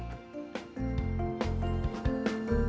eh dis tunggu dulu